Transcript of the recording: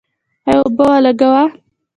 آیا اوبه ولګوو؟